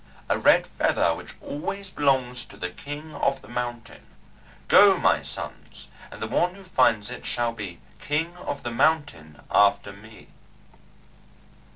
A Red Feather which always belongs to the King of the Mountain. Go, my sons, and the one who finds it shall be king of this mountain after me."